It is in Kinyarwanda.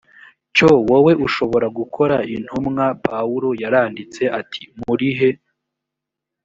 cyo wowe ushobora gukora intumwa pawulo yaranditse ati murihe